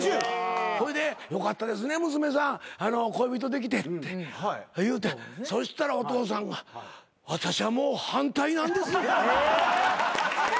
ほいで「よかったですね娘さん恋人できて」って言うてそしたらお父さんが「私はもう反対なんです」